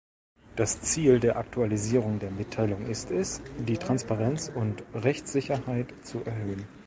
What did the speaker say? Das Ziel der Aktualisierung der Mitteilung ist es, die Transparenz und Rechtssicherheit zu erhöhen.